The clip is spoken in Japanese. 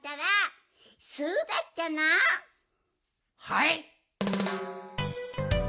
はい？